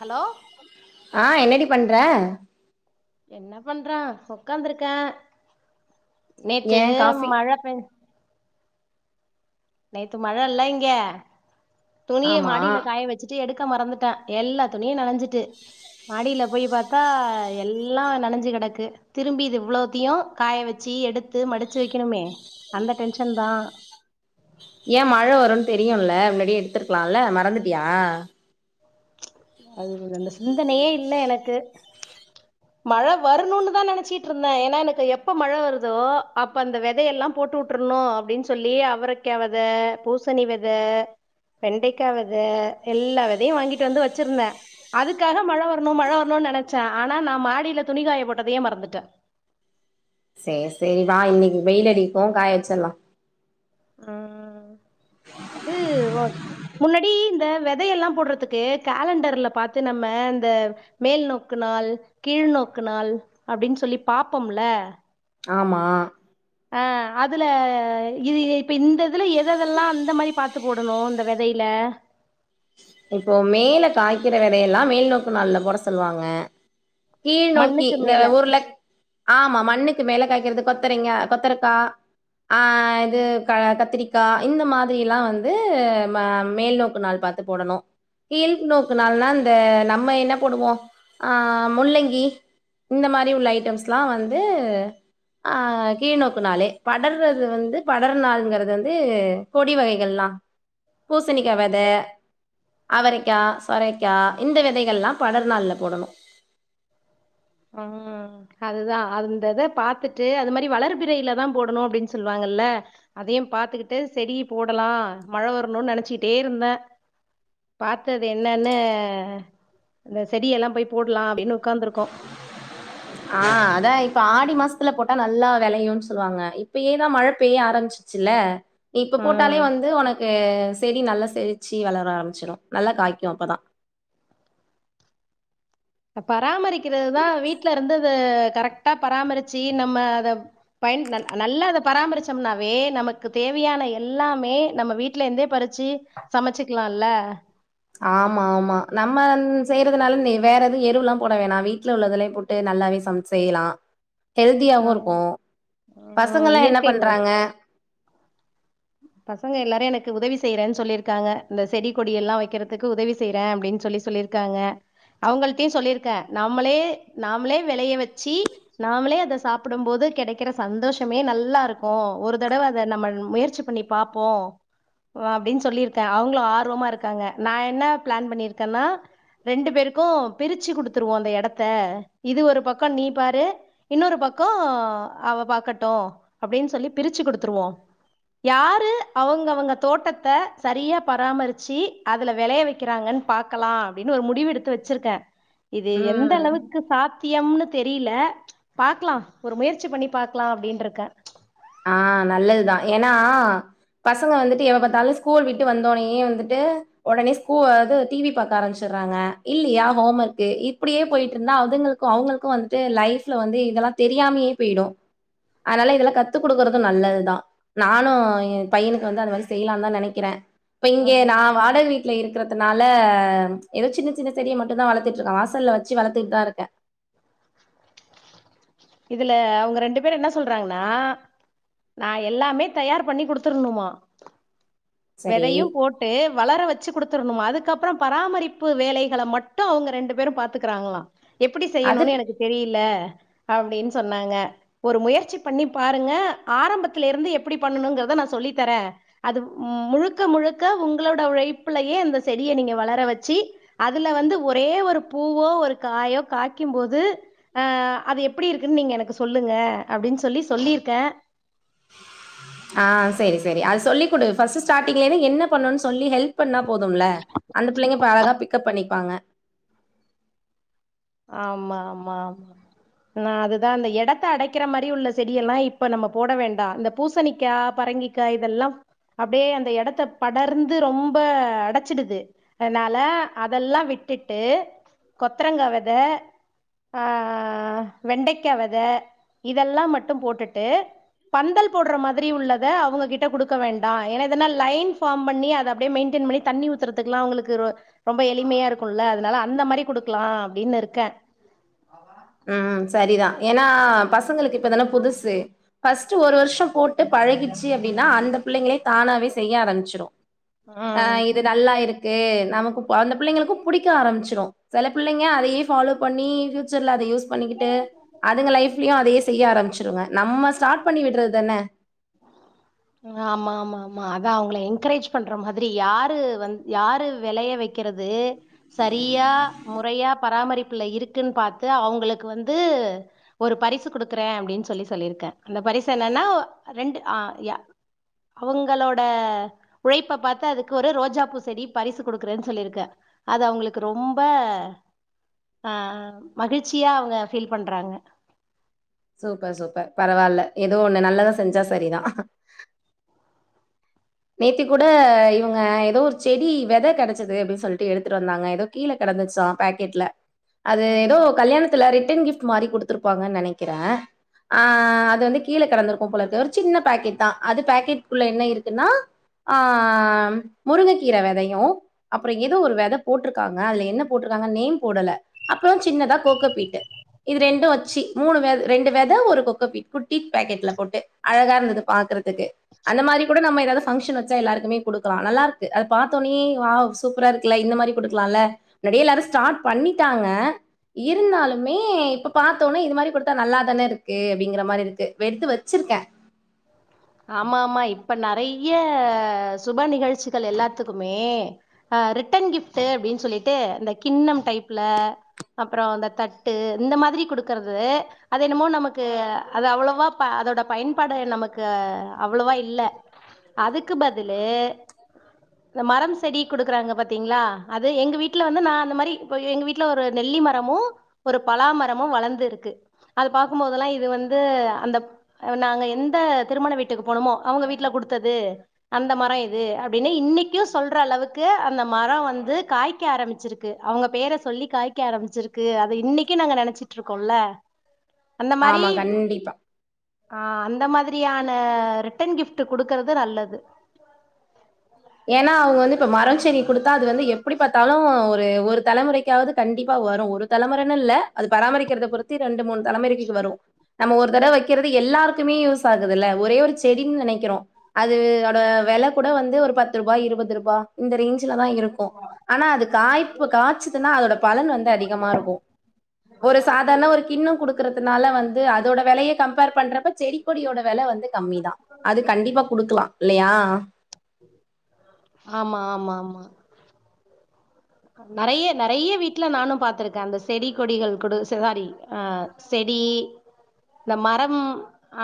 Hello ஆங் என்னடி பண்ற என்ன பண்றன் உக்காந்துருக்கேன் நேத்து ஏன் காஃபி மழை பெஞ் நேத்து மழைல இங்க துணிய ஆமா மாடியில காய வச்சுட்டு எடுக்க மறந்துட்டேன் எல்லா துணியும் நனைஞ்சு சுட்டு மாடியில போய் பாத்தா எல்லாம் நனைைஞ்சு கெடக்கு திரும்பி இது இவ்வளோத்தையும் காய வச்சு எடுத்து மடிச்சு வைக்கணுமே அந்த டென்ஷன் தான் ஏன் மழை வரும்னு தெரியுல்ல முன்னாடியே எடுடுத்திருக்கலாம்ல மறந்துட்டியா அது அந்த சிந்தனையே இல்ல எனக்கு மழை வரணுன்னுதான் நெனச்சட்ருந்தேன் ஏன்னா எனக்கு எப்ப மழை வருதோ அப்ப அந்த வெதையெல்லாம் போட்டு வுட்டுரணும் அப்படின்னு சொல்லி அவரைக்காய் விதை பூசணி வெத வெண்டக்காய் வெத எல்லா வெதையும் வாங்கிட்டு வந்து வச் சிருந்தேன் அதுக்காக மழை வரணும் மழை வரணும்னு நெனைகச்சேன் ஆனா நான் மாடில துணிக் காய போட்டதையே மறந்துட்டேன் வெயிலடிக்கும் காய வச்சில்லாம் ஆஹ் து ஒ முன்னாடி இந்த வெதையெல்லாம் போட்றதுக்கு கேலண்டர்ல பாத்து நம்ம இந்த மேல் நோக்கு நாள் கீழ்நோக்கு நாள் அப்படின்னு சொல்லி பாப்போம்யில்ல ஆமா ஆஹ் அதுல இது இப்ப இந்த இதுல எதெதல்லாம் அந்த மாரி பாத்து போடணும் இந்த வெதையில கீர வெதையெல்லாம் மேல்நோக்கு நாள்ல போட சொல்வாங்க கீழ் நோக்கி மண்ணுக்கு இந்த மேல ஊர்ல ஆமா மண்ணுக் கு மேல காய்க்கிறது கொத்தரங்கா கொத்தரக்கா அஹ் இது கத்திரிக்கா இந்த மாதிரிலாம் வந்து ம மேல்நோக்கு நாள் பாத்து போடணும் கீழ்நோக்கு நாள்னா இந்த நம்ம என்ன போடுவோம் ஆஹ் முள்ளங்கி இந்த மாரி உள்ள ஐட்டம்ஸ்ல்லாம் வந்து ஆஹ் கீழ்நோக்கு நாள் படர்றது வந்து படற் நாளுங்கிறது வந்து கொடி வகைகள்லாம் பூசணிக்கா வெத அவரைக்கா சொரைக்கா இந்த வெதைகள்ல்லாம் படர் நாள்ல போடணும் உஹம் அதுதான் அந்த இத பாத்துட்டு அது மாரி வளர்பிரையில தான் போடணும் அப்படின்னு சொல்லுவாங்கல்ல அதையும் பாத்துக்கிட்டு செடி போடலா மழ வரணும்னு நெனச்சிக்கிட்டே இருந்தேன் பார்த்தது என்னன்னு அஹ இந்த செடியெல்லாம் போய் போட்லாம் அப்டின்னு உட்காந்துருக்கோம் ஆஹ் அதான் இப்ப ஆடி மாசத்துல போட்டா நல்லா வெளையுன்னு சொல்வாங்க இப்பயேதான் மழை பெய்ய ஆரம்பிச்சிச்சுல்ல இப்ப போட்டாலே ம் வந்து உனக்கு செடி நல்லா செழச்சி வளர ஆரம்பிச்சிடும் நல்லா காய்க்கும் அப்பதான் பராமரிக்கிறதுதான் வீட்ல இருந்து அத கரெக்டா பராமரிச்சு நம்ம அத பயன் நல்லா அத பராமரிச்சோம்னாவே நமக்கு தேவையான எல்லாமே நம்ம வீட்டுலந்தே பறிச்சு சமைச்சிக்கலால்ல ஆமா ஆமா நம்ம செய்யறதுனால வேற எதுவும் எருவுல்லாம் போட வேணாம் வீட்டுல உள்ளதுலயே போட்டு நல்லாவே சம்ச் செய்லாம் ஹெல்தியாகவும் இருக்கும் ம் பசங்கள்லாம் என்ன இயற்கை முறை பண்றாங்க பசங்க எல்லாரும் எனக்கு உதவி செய்யறேன்னு சொல்லிருக்காங்க இந்த செடி கொடி எல்லாம் வெக்கிறதுக்கு உதவி செய்யறேன் அப்படின்னு சொல்லி சொல்லியிருக்காங்க அவங்கள்ட்டையும் சொல்லியிருக்கேன் நாமளே நாம்ளே வெளைய வச்சு நாமளே அத சாப்பிடும் போது கிடைக்கிற சந்தோஷமே நல்லா இருக்கும் ஒரு தடவ அத நம்ம முயற்சி பண்ணி பா்போம் அப்படின்னு சொல்லிருக்கேன் அவங்களும் ஆர்வமா இருக்காங்க நான் என்ன பிளான் பண்ணிருக்கேன்னா ரெண்டு பேருக்கும் பிரிச்சு குடுத்துருவோம் அந்த எடத்த இது ஒரு பக்கம் நீ பாரு இன்னொரு பக்கம் அவ பாக்கட்டும் அப்படின்னு சொல்லி பிரிச்சு குடுத்துருவோம் யாரு அவங்கவுங்க தோட்டத்தை சரியா பராமரிச்சு அதுல வெளைய வெக்கிறாங்கன்னு பாக்கலாம் அப்படின்னு ஒரு முடிவு எடுத்து வச்சிருக்கேன் இது எந்த ம் அளவுக்கு சாத் த்தியம்னு தெரியில பாக்கலாம் ஒரு முயற்சி பண்ணி பாக்கலாம் அப்படின்ருக்கேன் ஆஹ் நல்லதுதான் ஏன்னா பசங்க வந்துட்டு எப்ப பார்த்தாலும் ஸ்கூல் விட்டு வந்தோடே வந்துட்டு உடனே ஸ்கூ இது டிவி பாக்க ஆரம்பிச்சர்றாங்க இல்லியா ஹோம் ஒர்க்கு இப்படியே போயிட்டு இருந்தா அதுங்களுக்கும் அவங்களுக்கும் வந்துட்டு லைஃப்ல வந்து இதெல்லாம் தெரியாமயே போயிடும் அதனால இதெல்லாம் கத் த்து குடுக்குறதும் நல்லதுதான் நானும் என் பையனுக்கு வந்து அந்த மாரி செய்யலாம்னு தான் நெனைக்கிறேன் இப்ப இங்கே ஆஹ் நான் வாடக வீட்ல இருக்கிறத்துனால ல ஏதோ சின்ன சின்ன செடிய மட்டுந்தான் வளர்த்திட்ருக்கேன் வாசல்ல வச்சு வளர்த்திட்தான் இருக்கேன் இதுல அவுங்க ரெண்டு பேர் என்ன சொல்றாங்கன்னா நான் எல்லாமே தயார் பண்ணி குடுத்துருணுமா சரி வெதையும் போட்டு வளர வச்சு குடுத்துரணுமா அதுக் க்கப்பறம் பராமரிப்பு வேலைகளை மட்டும் அவங்க ரெண்டு பேரும் பாத்துக்குறாங்களா எப்படி அது செய்யணுன்னனு எனக்கு தெரியில அப்டின்னு சொன்னாங்க ஒரு முயற்சி பண்ணி பாருங்க ஆரம்பத்திலெருந்து எப்டி பண்ணணுங்கிறத நான் சொல்லித்தரேன் அது உம் முழுக்க முழுக்க உங்களோட உழைப்புலயே அந்த செடியை நீங்க வளர வச்சு அதுல வந்து ஒரே ஒரு பூவோ ஒரு காயோ காயக்கும் போது அஹ் அது எப்படி இருக்குன்னு நீங்க எனக்கு சொல்லுங்க அப்படின்னு சொல்லி சொல்லிருக்கேன் ஆஹ் செரி செரி அது சொல்லி குடு ஃபஸ்ட்டு ஸ்டார்டிங்லேந்து என்ன பண்ணுன்னு சொல்லி ஹெல்ப் பண்ணா போதும்ல அந்த பிள்ளைங்க அழகா பிக்கப் பண்ணிக் வாங்க ஆமா ஆமா ஆமா நா அதுதா அந்த எடத்த அடைக்கிற மாதிரி உள்ள செடியெல்லா இப்ப நம்ப போட வேண்டா இந்த பூசணிக்கா பரங்கிக்கா இதெல்லா அப்டியே அந்த எடத்த படர்ந்து ரொம்ப அடச்சிடுது அதனால அதெல்லா விட்டுட்டு கொத்தரங்கா வெத த வெண்டெக்கா வெத இதெல்லா மட்டு போட்டுட்டு பந்தல் போட்ற மாதிரி உள்ளத அவங்ககிட்ட குடுக்க வேண்டா ஏன்னா இல்லா லைன் ஃபார்ம் பண்ணி அத அப்டியே மெயின்டன் பண்ணி தண்ணி ஊத்தறுதுகெல்லா அவுங்ளுக்கு ரொ ரொம்ப எளிமையா இருக்குல அதனால அந்த மாரி குடுக்கலா அப்டின்னு இருக்கே உம் சரிதா ஏன்னா பசங்களுக்கு இப்ப இதலா புதுசு பஸ் ஒரு வருஷோ போட் பழகிச்சு அப்டின்னா அந்த பிள்ளைங்களே தானாவே செய்ய ஆரம்பிச்சுரு ம் ஆஹ் இது நல்லா இருக் க்கு நமக்கு அந்த புள்ளைங்களுக்கு புடிக்க ஆரம்பிச்சிரு சில பிள்ளைங்க அதையே ஃபாலோ பண்ணி ஃபியூ எல்லா யூஸ் பண்ணிக்கிட்டு அதுங்க லைஃலயு அதயே செய்ய ஆரம்பிச்சிருங்க நம்ப ஸ்டார்ட் பண்ணி விட்றது தானே ஆமா ஆமா ஆமா அதா அவங்கள என்கரேஜ் பண்ற மாரி யாரு வந் யாரு வெளைய வக்கிறது சரியா மொறையா பராமரிப்புல இருக்குன்னு பாத்து அவுங்ளுக்கு வந்து ஒரு பரிசு குடுக்குறே அப்டின்னு சொல்லி சொல்லிருக்கே அந்த பரிசு என்னன்னா ரெண்டு ஆஹ் அவங்களோட உழைப்ப பாத்து அதுக்கு ஒரு ரோஜா பூ செடி பரிசு குடுக்குறேன்னு சொல்லிருக்கே அது அவுங்ளுக்கு ரொம்ப ஆஹ் மகிழ்ச்சியா அவங்க ஃபீல் பண்றாங்க சூப்பர் சூப்பர் பரவால ஏதோ ஒண்ணு நல்லதா செஞ்சா சரிதா நேத்தி கூட இவங்க ஏதோ ஒரு செடி வெத கெடச்சது அப்டின்னு சொல்ட்டு எடுத்துட்டு வந்தாங்க எதோ கீழ கெடந்தச்சா பேக்கெட்ல அது ஆ எதோ கல்யாணத்துல ரிட்டன் கிப்ட் மாரி குடுத்துருப்பாங்கன்னு நெனைக்கிறே ஆ அது வந்து கீழ கெடந்துருக்கு போல அது ஒரு சின்ன பேக்கெட்தா அது பேக்கெட் குள்ள என்ன இருக்குன்னா ஆஹ் முருங்கக்கீர வெதையு அப்றோ எதோ ஒரு வெத போட்ருக்காங்க அதுல என்ன போட்ருக்காங்க நேம் போடல அப்றோ சின்னதா கோக்கோபீட்டு இது ரெண்டு வச்சி மூணு வெ ரெண்டு வெத ஒரு கொக்கோபீட் குட்டீ பேக்கெட்ல போட்டு அழகா இருந்தது பாக்குறதுக்கு அந்த மாரி கூட நம்ப எதாது பங்ஷன் வச்சா எல்லாருக்குமே குடுக்கலா நல்லாருக்கு அத பாத்தோனேயே வாவ் சூப்பரா இருக்குல இந்த மாரி குடுக்கலா முன்னாடியே எல்லாரு ஸ்டாட் பண்ணிட்டாங்க இருந்தாலுமே இப்ப பாத்தோனா இது மாதிரி குடுத்தா நல்லாதானே இருக்கு அப்டிங்கற மாரி இருக்கு எடுத்து வச்சிருக்கே ஆமா ஆமா இப்ப நெறைய சுப நிகழ்ச்சிகள் எல்லாத்துக்குமே ஆஹ் ரிட்டன் கிஃப்ட்டு அப்டின்னு சொல்லிட்டு அந்த கிண்ணம் டைப்ல அப்றோ அந்த தட்டு இந்த மாதிரி குடுக்கறது அது என்னமோ நமக்கு அது அவ்ளவா அதோட பயன்பாடு நமக்கு அவ்ளவா இல்ல அதுக்கு பதிலு இந்த மரம் செடி குடுக்குறாங்க பாத்தீங்ளா அது எங்க வீட்ல வந்து நா அந்த மாரி இப்ப எங்க வீட்ல ஒரு நெல்லி மரமு ஒரு பலாமரமு வளந்து இருக்கு அத பாக்குபோதெல்லா இது வந்து அந்த நாங்க எந்த வீட்டுக்கு போனமோ அவங்க வீட்ல குடுத்தது அந்த மரோ இது அப்டின்னு இன்னிக்கு சொல்ற அளவுக்கு அந்த மரோ வந்து காய்க்க ஆரம்பிச்சிருக்கு அவங்க பேர சொல்லி காய்க்க ஆரம்பிச்சிருக்கு க்கு அத இன்னிக்கு நாங்க நெனச்சிட்டுருக்கோல அந்த மாரி ஆமா, கண்டிப்பா. ஆ அந்த மாரி தியான ரிட்டன் கிஃப்ட்டு குடுக்றது நல்லது ஏன்னா அவங்க வந்து இப்ப மரம் செடி குடுத்தா அது வந்து எப்டி பாத்தாலு ஒரு ஒரு தலமொறைக்காது கண்டிப்பா வரு ஒரு தலமொறன்னு இல்ல அது பராமரிக்கறத பொருத்தி ரெண்டு மூனு தலமேரிகிக்கு வரு நம்ப ஒரு தடவ வெக்கறது எல்லாருக்குமே யூஸ் ஆகுதுல ஒரே ஒரு செடின்னு நெனைக்கிறோ அது அதோட வெல கூட வந்து ஒரு பத் ரூபா இருவதுருபா இந்த ரேஞ் த தா இருக்கு ஆனா அது காய்பு காய்ச்சதுன்னா அதோட பலன் வந்து அதிகமா இருக்கு ஒரு சாதாரண ஒரு கிண்ணோ குடுக் கிறதுனால வந்து அதோட வெலைய கம்பேர் பண்றப்ப செடிக்கொடியோட வெல வந்து கம்மிதா அது கண்டிப்பா குடுக்கலா இல்லையா ஆமா ஆமா ஆமா நெறைய நெறைய வீட்ல நானு பாத்துருக்கே அந்த செடி கொடிகள் குட செவ்வாரி ஆஹ் செடி இந்த மரம்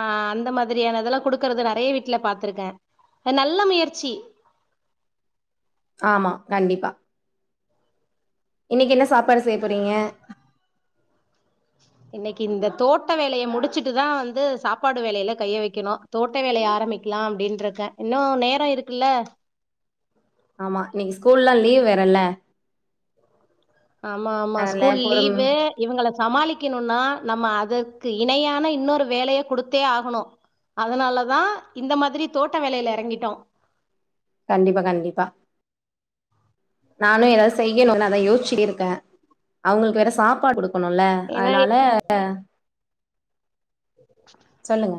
ஆஹ் அந்த மாதிரியான இதெல்லா குடுக்கறது நெறையா வீட்ல பாத்துருக்கே நல்ல முயற்சி ஆமா கண்டிப்பா இன்னைக்கு என்ன சாப்பாடு செய்ய போறீங்க இன்னைக்கு இந்த தோட்ட வேலையை முடிச்சிட்டுதான் வந்து சாப்பாடு வேலையில கைய வைக்கணும் தோட்ட வேலையை ஆரம்பிக்கலாம் அப்படின்ற இருக்கேன் இன்னும் நேரம் இருக்குல்ல ஆமா நீ ஸ்கூல்லல்லாம் லீவ் வேறல ஆமா ஆமா ஸ்கூல் லீவு இவங்கள சமாளிக்கணும்னா நம்ம அதற்கு இணையான இன்னொரு வேலையை கொடுத்தே ஆகணும் அதனாலதான் இந்த மாதிரி தோட்ட வேலையில இறங்கிட்டோம் கண்டிப்பா கண்டிப்பா நானும் ஏதாவது செய்யணும் அதை யோசிச்சிட்டு இருக்கேன் அவங்களுக்கு வேற சாப்பாடு கொடுக்க க்கணும்ல ஏன்னா அதனால சொல்லுங்க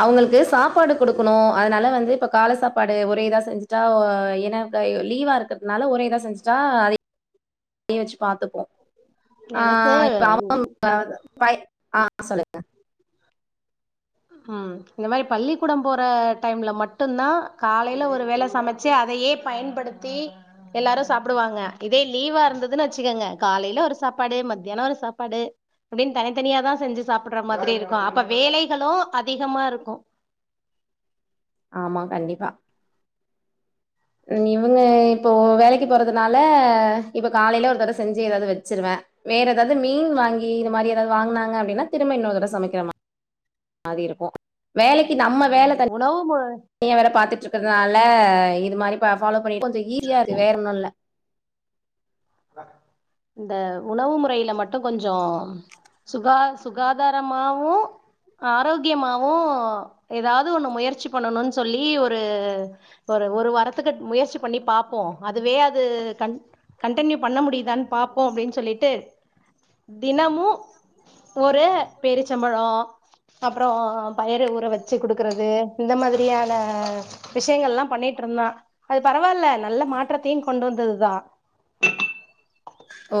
அவங்களுக்கு சாப்பாடு கொடுக்கணும் அதனால வந்து இப்ப காலை சாப்பாடு ஒரே இதா செஞ்சுட்டா என லீவா இருக்கிறதுனால ஒரே இதா செஞ்சுட்டா அதை வச்சு பாத்துப்போம் எனக்கு ஆஹ் இப்ப அவ வய ஆஹ் சொல்லுங்க உம் இந்த மாதிரி பள்ளிக்கூடம் போற டைம்ல மட்டுும்தான் காலையில ஒரு வேலை சமைச்சு அதையே பயன்படுத்தி எல்லாரும் சாப்பிடுவாங்க இதே லீவா இருந்ததுன்னு வச்சுக்கோங்க காலையில ஒரு சாப்பாடு மத்தியானம் ஒரு சாப்பாடு அப்படின்னு தனித்தனியா தான் செஞ்சு சாப்பிடுற மாதிரி இருக்கும் அப்ப வேலை களும் அதிகமா இருக்கும் ஆமா கண்டிப்பா உ இவங்க இப்போ வேலைக்கு போறதுனால இப்ப காலையில ஒரு தடவை செஞ்சு ஏதாவது வச்சிருவேன் வேற ஏதாவது மீன் வாங்கி ங்க இது மாதிரி ஏதாவது வாங்கினாங்க வேனுனா திரும்ப இன்னோரு தடவ சமைக்கிறமா மாதிரி இருக்கும் வேலைக்கு நம்ம அ வேலை உணவு மு தனி வேற பார்த்துட்டு இருக்கிறதுனால இது மாதிரி ஃபாலோ கொஞ்சம் ஈசியாது வேற என்னும் இல்ல இந்த உணவு முறையில மட்டும் கொஞ்சம் சுகா சுகாதாரமாவும் ஆரோக்கியமாவும் ஏதாவது ஒண்ணு முயற்சி பண்ணணும்னு சொல்லி ஒரு ஒரு ஒரு வாரத்துக்கு முயற்சி பண்ணி பார்ப்போம் அதுவே அது கண் கண்டனியூ பண்ண முடியுதான்னு பார்ப்போம் அப்படின்னு சொல்லிட்டு தினமும் ஒரு பேரிச்சம்பழம் அப்புறம் பயிறு ஊற வச்சு குடுக்கறது இந்த மாதிரியான விஷயங்கள் எல்லாம் பண்ணிட்டு இருந்தான் அது பரவாயில்ல நல்ல மாற்றத்தையும் கொண்டு வந்ததுதான் [unintelligible]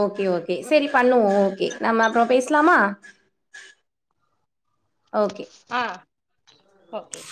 ஓகே ஓகே சரி பண்ணுவோம் ஓகே நம்ம அப்புறம் பேசலாமா ஓகே ஆ ஓகே